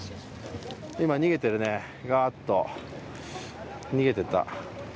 今逃げてるね、ガーッと逃げていった。